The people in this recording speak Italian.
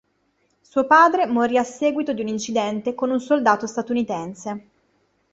Suo padre morì a seguito di un incidente con un soldato statunitense.